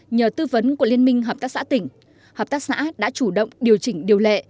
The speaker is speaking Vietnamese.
nhờ tư vấn của liên minh hợp tác xã tỉnh hợp tác xã đã chủ động điều chỉnh điều lệ